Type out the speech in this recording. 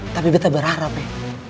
tapi betul berharap div